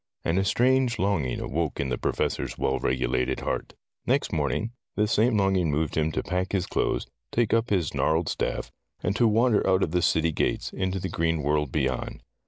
And a strange longing awoke in the Professor's well regulated heart. Next morning this same longing moved him to pack his clothes, take up his gnarled staff, and to wander out of the city gates, into the green world beyond.